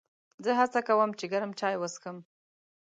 زه هڅه کوم چې ګرم چای وڅښم.